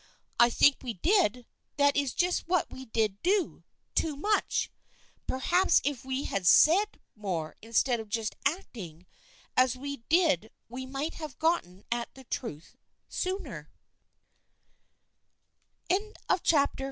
" I think we did ! That is just what we did do, too much ! Perhaps if we had said more instead of just acting as we did we might have gotten at the truth sooner."